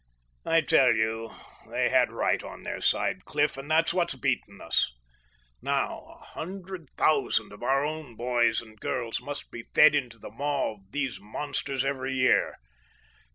I tell you they had right on their side, Cliff, and that's what's beaten us. Now a hundred thousand of our own boys and girls must be fed into the maw of these monsters every year.